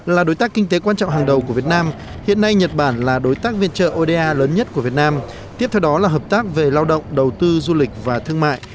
là đối tác kinh tế quan trọng hàng đầu của việt nam hiện nay nhật bản là đối tác viên trợ oda lớn nhất của việt nam tiếp theo đó là hợp tác về lao động đầu tư du lịch và thương mại